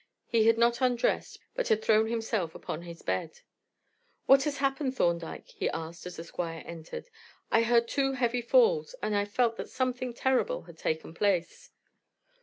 He had not undressed, but had thrown himself upon his bed. "What has happened, Thorndyke?" he asked as the Squire entered. "I heard two heavy falls, and I felt that something terrible had taken place."